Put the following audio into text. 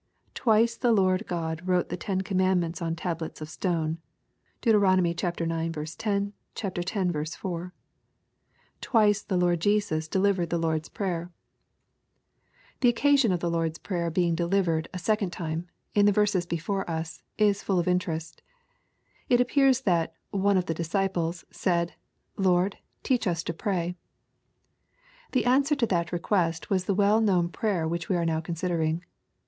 Twice the Lord God wrote the ten commandments on tables of stone. (Deut. ix. 10. X. 4) Twice the Lord Jesus delivered the Lord's Prayer. 2 EXPOSITORY THOUGHTS. The occasion of the Lord's Prayer being deiiveroil & second time, in the verses before us, is full of interest. It appears that '* one of the disciples'' said, " Lord, teach us to pray." The answer to that request was the w^ell known prayer which we are now considering.